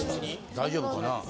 大丈夫か？